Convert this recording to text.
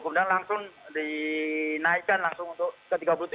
kemudian langsung dinaikkan langsung ke tiga puluh tujuh